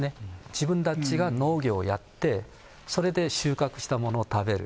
自分たちが農業をやって、それで収穫したものを食べる。